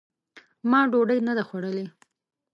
ما ډوډۍ نه ده خوړلې !